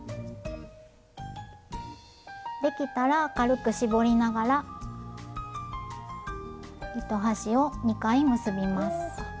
できたら軽く絞りながら糸端を２回結びます。